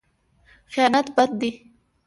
خیانت بد دی.